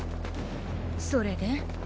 それで？